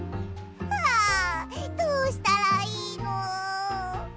あどうしたらいいの！？